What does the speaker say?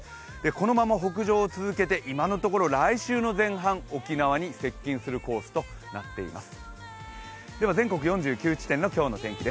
このまま北上を続けて今のところ来週の前半沖縄に接近するコースとなっています。